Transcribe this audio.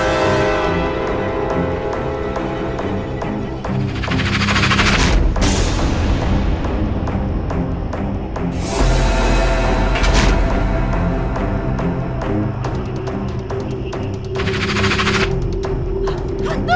namanya jalansang dia